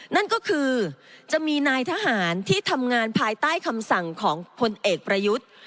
นั่นก็คือจะมีนายทหารที่ทำงานภายใต้คำสั่งของพลเอกประยุทธ์